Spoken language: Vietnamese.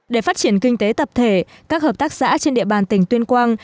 để phát triển kinh tế tập thể các hợp tác xã trên địa bàn tỉnh tuyên quang